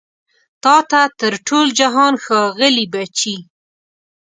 تا ته تر ټول جهان ښاغلي بچي